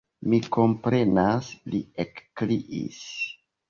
Mi komprenas, li ekkriis.